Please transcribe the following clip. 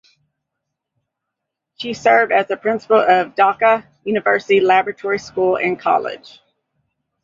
She served as the Principal of Dhaka University Laboratory School and College.